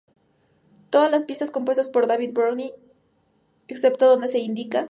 Todas las pistas compuestas por David Bowie, excepto donde se indica.